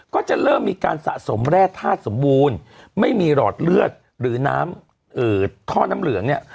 ก็จะเริ่มมีการสะสมแร่ธาตุสมบูรณ์ไม่มีหลอดเลือดหรือน้ำท่อน้ำเหลืองเนี่ย